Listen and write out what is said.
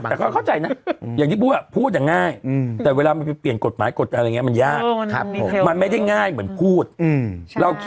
แต่เขาเข้าใจนะอย่างที่พูดพูดอย่างง่ายแต่เวลามันไปเปลี่ยนกฎหมายกฎอะไรอย่างนี้มันยาก